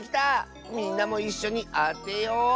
みんなもいっしょにあてよう！